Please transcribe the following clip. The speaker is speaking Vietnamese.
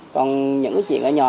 còn những cái chuyện ở nhà